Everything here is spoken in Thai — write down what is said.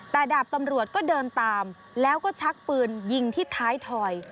แต่ดาบตำรวจก็เดินตามแล้วก็ชักปืนยิงที่ท้ายถอย